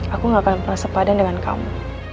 aku gak akan pernah sepadan dengan kamu